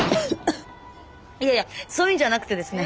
いやいやそういうんじゃなくてですね。